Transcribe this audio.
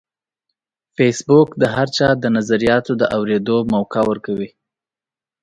فېسبوک د هر چا د نظریاتو د اورېدو موقع ورکوي